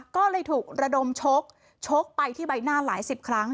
ก็เลยถูกระดมชกชกไปที่ใบหน้าหลายสิบครั้ง